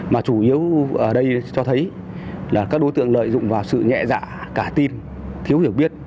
mà chủ yếu ở đây cho thấy là các đối tượng lợi dụng vào sự nhẹ dạ cả tin thiếu hiểu biết